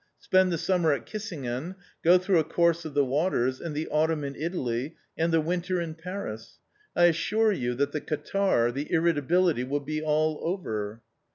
Spend the summer at Kissingen, go through a course of the waters, and the autumn in Italy, and the winter in Paris. I assure you that the catarrh, the irritability, will be all over."